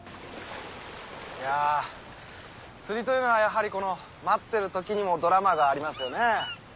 いやぁ釣りというのはやはりこの待ってるときにもドラマがありますよね。